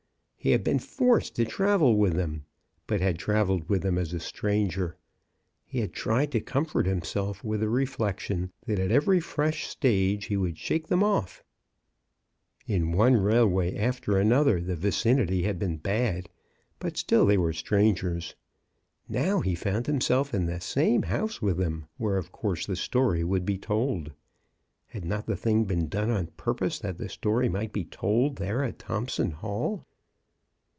He had been forced to travel with them, but had travelled with them as a stranger. He had tried to comfort him self with the reflection that at every fresh stage he would shake them off. In one railway after another the vicinity had been bad — but still they were strangers. Now he found himself in the same house with them, where of course the story would be told. Had not the thjng been done on purpose that the story might be told there at Thompson Hall?